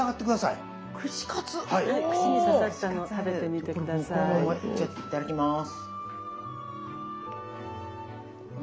いただきます。